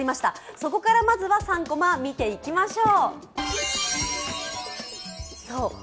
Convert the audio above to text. そこからまずは３コマ見ていきましょう。